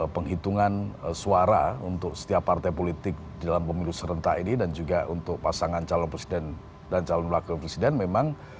penghitungan suara untuk setiap partai politik di dalam pemilu serentak ini dan juga untuk pasangan calon presiden dan calon wakil presiden memang